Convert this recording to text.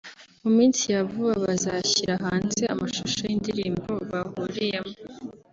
mu minsi ya vuba bazashyira hanze amashusho y'indirimbo bahuriyemo